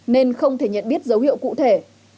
nên không thể nhận biết dấu hiệu cụ thể